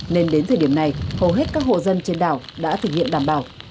nên đến thời điểm này hầu hết các hộ dân trên đảo đã thực hiện đảm bảo